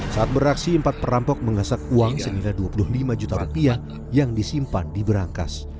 saat beraksi empat perampok mengasak uang rp sembilan ratus dua puluh lima juta yang disimpan diberangkas